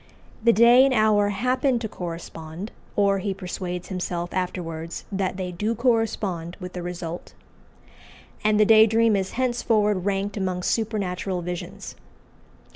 The day and hour happen to correspond, or he persuades himself afterwards that they do correspond with the result, and the day dream is henceforward ranked among supernatural visions.